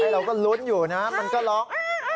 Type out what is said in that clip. เราก็ลุ้นอยู่นะมันก็ล็อก